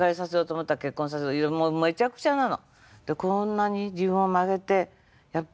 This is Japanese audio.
もうめちゃくちゃなの。